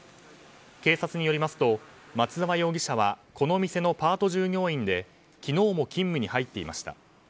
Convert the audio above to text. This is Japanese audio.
警察によりますと松沢容疑者はこの店のパート従業員で昨日も勤務に入っていました。